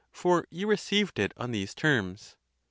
for you received it on these terms.